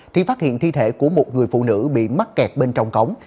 thì phát hiện thi thể của một người phụ nữ bị mắc kẹt bên trong cống